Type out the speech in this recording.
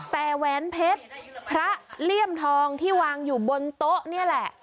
แต่แหวนเพชรพระเลี่ยมทองที่วางอยู่บนโต๊ะนี่แหละ